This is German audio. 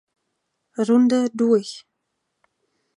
Runde durch.